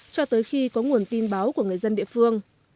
cho tới khi có nguồn tin báo của người dân địa phương